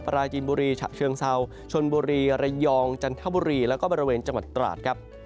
ปราจีนบุรีฉะเชิงเซาชนบุรีระยองจันทบุรีแล้วก็บริเวณจังหวัดตราดครับ